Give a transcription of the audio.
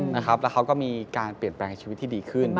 แล้วเขาก็มีการเปลี่ยนแปลงชีวิตที่ดีขึ้น